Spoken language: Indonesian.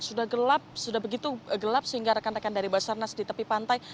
sudah gelap sudah begitu gelap sehingga rekan rekan dari basarnas di tepi pantai